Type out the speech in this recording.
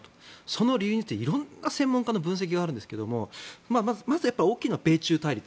その理由について色んな専門家の分析があるんですがまず大きいのは米中対立。